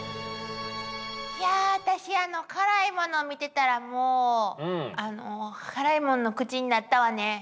いや私あの辛いものを見てたらもうあの辛いものの口になったわね。